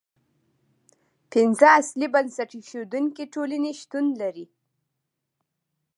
پنځه اصلي بنسټ ایښودونکې ټولنې شتون لري.